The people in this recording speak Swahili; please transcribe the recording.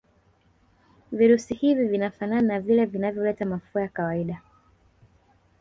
virusi hivi vinafana na vile vinavyoleta mafua ya kawaida